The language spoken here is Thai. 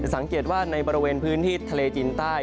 สังเกตว่าในบริเวณพื้นที่ทะเลจีนใต้